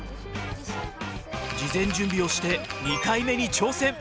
事前準備をして２回目に挑戦！